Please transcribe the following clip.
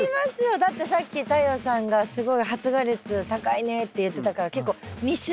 だってさっき太陽さんがすごい発芽率高いねって言ってたから結構密集してるじゃないですか。